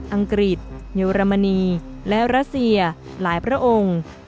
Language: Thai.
อังกฤษเยอรมนีและรัสเซียหลายพระองค์